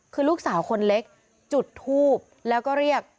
คือลูกสาวคนเล็กจุดทูบแล้วก็เรียก